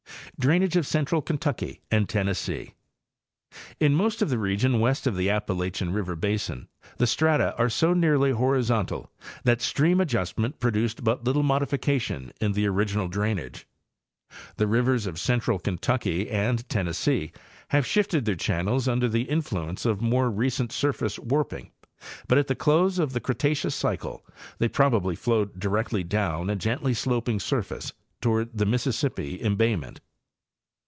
Drainage of central Kentucky and Tennessee—In most of the region west of the Appalachian river basin the strata are so nearly horizontal that stream adjustment produced but little modification in the original drainage. The rivers of central Kentucky and Tennessee haye shifted their channels under the influence of more recent surface warping, but at the close of the Cre taceous cycle they probably flowed directly down a gently sloping surface toward the Mississippi embayment.